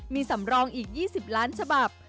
มีสำรองอีก๒๐ล้านฉบับ